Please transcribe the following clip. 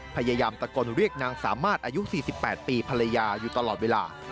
พยายามตะโกนเรียกนางสามารถอายุ๔๘ปีภรรยาอยู่ตลอดเวลา